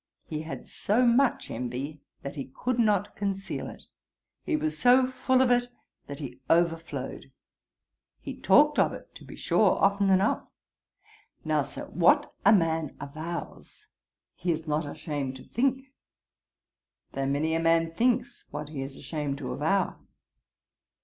He had so much envy, that he could not conceal it. He was so full of it that he overflowed. He talked of it to be sure often enough. Now, Sir, what a man avows, he is not ashamed to think; though many a man thinks, what he is ashamed to avow.